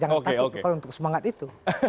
jangan takut kalau untuk semangat itu